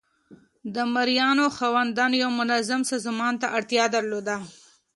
د مرئیانو خاوندانو یو منظم سازمان ته اړتیا درلوده.